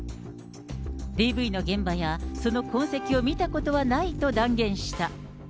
ＤＶの現場や、その痕跡を見たことはないと断言した。